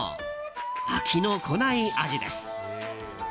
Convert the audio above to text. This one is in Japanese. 飽きのこない味です。